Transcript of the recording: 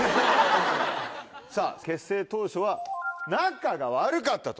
さぁ結成当初は仲が悪かったと。